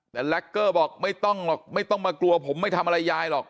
แต่แล็กเกอร์บอกไม่ต้องหรอกไม่ต้องมากลัวผมไม่ทำอะไรยายหรอก